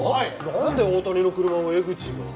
なんで大谷の車を江口が？